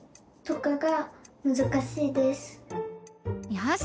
よし！